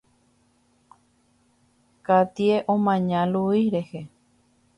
Katie omaña Luis rehe.